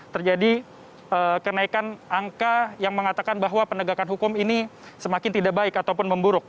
terjadi kenaikan angka yang mengatakan bahwa penegakan hukum ini semakin tidak baik ataupun memburuk